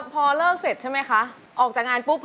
พอเลิกเสร็จใช่ไหมคะออกจากงานปุ๊บ